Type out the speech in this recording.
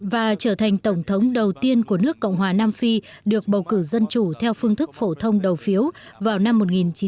và trở thành tổng thống đầu tiên của nước cộng hòa nam phi được bầu cử dân chủ theo phương thức phổ thông đầu phiếu vào năm một nghìn chín trăm bảy mươi năm